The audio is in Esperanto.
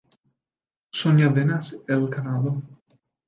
Sonja venas el Kanado.